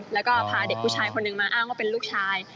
แล้วก็พาเด็กผู้ชายคนหนึ่งมาอ้างว่าเป็นลูกชาย